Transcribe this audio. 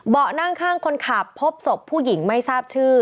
นั่งข้างคนขับพบศพผู้หญิงไม่ทราบชื่อ